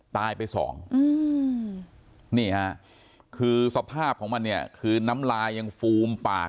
ตายไปสองอืมนี่ฮะคือสภาพของมันเนี่ยคือน้ำลายยังฟูมปาก